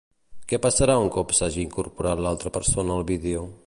Què passarà un cop s'hagi incorporat l'altra persona al vídeo?